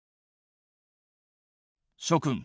「諸君！